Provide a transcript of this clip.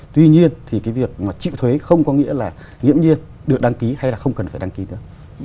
tuy nhiên thì cái việc mà chịu thuế không có nghĩa là nghiễm nhiên được đăng ký hay là không cần phải đăng ký nữa